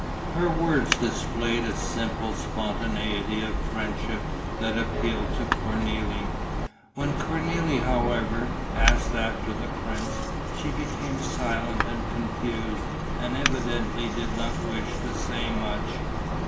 Her words displayed a simple spontaneity of friendship that appealed to Cornélie. When Cornélie, however, asked after the prince, she became silent and confused and evidently did not wish to say much.